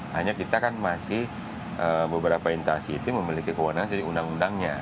hanya kita kan masih beberapa intasi itu memiliki kewenangan dari undang undangnya